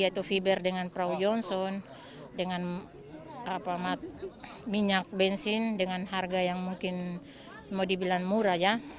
yaitu fiber dengan perahu johnson dengan minyak bensin dengan harga yang mungkin mau dibilang murah ya